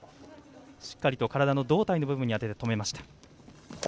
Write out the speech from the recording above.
しっかりと体の胴体の部分に当てて止めました。